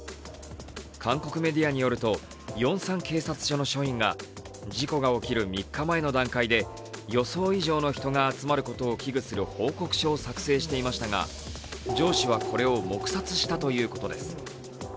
韓国メディアによると、ヨンサン警察署の署員が事故が起きる３日前の段階で予想以上の人が集まることを危惧する報告書を作成していましたが上司はこれを黙殺したということです。